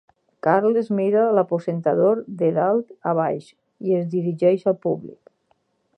Carles mira l’aposentador de dalt a baix i es dirigeix al públic.